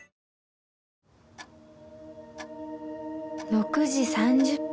６時３０分